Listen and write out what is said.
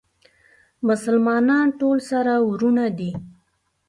مسلمانان ټول سره وروڼه دي